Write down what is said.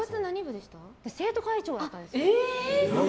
生徒会長だったんですよ。